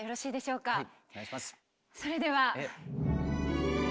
それでは。